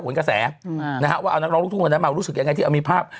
กระแสนะฮะว่าเอานักร้องลูกทุ่งวันนั้นมารู้สึกยังไงที่เอามีภาพ